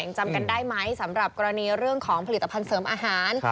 จำกันได้ไหมสำหรับกรณีเรื่องของผลิตภัณฑ์เสริมอาหาร